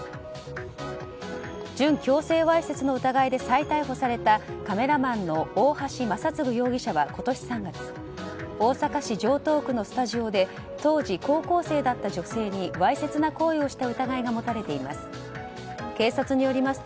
準強制わいせつの疑いで再逮捕されたカメラマンの大橋正嗣容疑者は今年３月大阪市城東区のスタジオで当時、高校生だった女性にわいせつな行為をした疑いが持たれています。